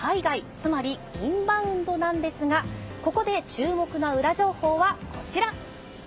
つまりインバウンドなんですがここで注目のウラ情報はこちら。